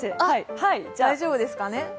大丈夫ですかね。